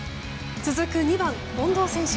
続く２番、近藤選手。